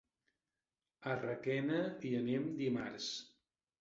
A Requena hi anem dimarts.